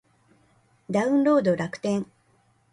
ダウンロード楽天